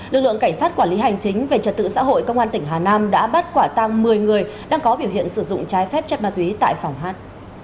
lực lượng cảnh sát quản lý hành chính về trật tự xã hội công an tỉnh hà nam đã bắt quả tăng một mươi người đang có biểu hiện sử dụng trái phép chất ma túy tại phòng hát